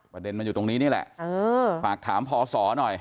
ประเด็นมันอยู่ตรงนี้นี่แหละฝากถามพศหน่อย